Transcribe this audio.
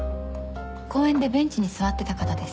公園でベンチに座ってた方です。